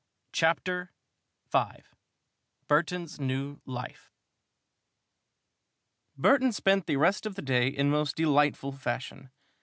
CHAPTER V BURTON'S NEW LIFE Burton spent the rest of the day in most delightful fashion.